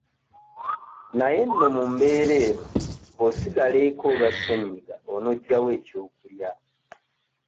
Naye nno mu mbeera eno bw'osigala eka olwa ssenyiga on'oggya wa ekyokulya?